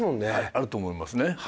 あると思いますね。